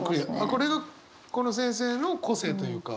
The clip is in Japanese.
これがこの先生の個性というか。